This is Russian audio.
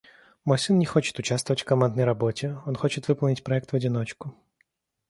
Мой сын не хочет участвовать в командной работе. Он хочет выполнить проект в одиночку.